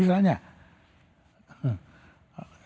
ini tentu banyak yang gak seneng sama saya